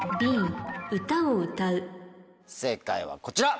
正解はこちら。